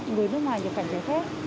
người nước ngoài nhập cảnh trái phép